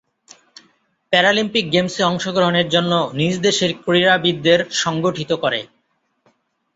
Paralympic গেমসে অংশগ্রহণের জন্য নিজ দেশের ক্রীড়াবিদদের সংগঠিত করে।